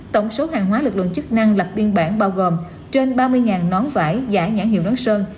tổng số hàng hóa lực lượng chức năng lập biên bản bao gồm trên ba mươi nón vải giả nhãn hiệu nước sơn